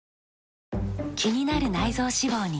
気になる内臓脂肪に。